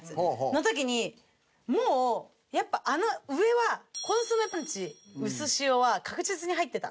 の時にもうやっぱあの上はコンソメパンチうすしおは確実に入ってた。